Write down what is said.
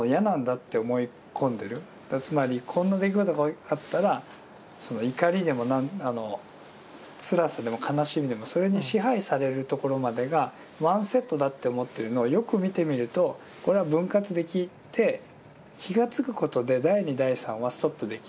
つまりこんな出来事があったら怒りでもつらさでも悲しみでもそれに支配されるところまでがワンセットだって思ってるのをよく見てみるとこれは分割できて気がつくことで第二第三はストップできる。